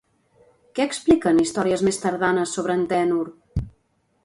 Què expliquen històries més tardanes sobre Antènor?